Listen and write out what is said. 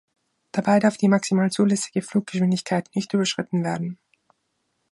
Dabei darf die maximal zulässige Fluggeschwindigkeit nicht überschritten werden.